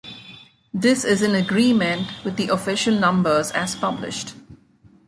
This is in agreement with the official numbers as published.